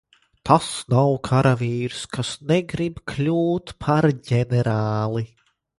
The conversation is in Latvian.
Tas nav karavīrs, kas negrib kļūt par ģenerāli.